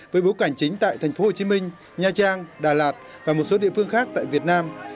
với bố cảnh chính tại thành phố hồ chí minh nha trang đà lạt và một số địa phương khác tại việt nam